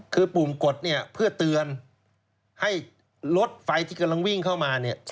คือปุ่มกดเนี่ยเพื่อเตือนให้รถไฟที่กำลังวิ่งเข้ามาเนี่ย